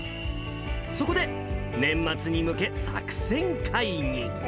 そこで、年末に向け、作戦会議。